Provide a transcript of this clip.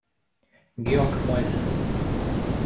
Georg Meusel.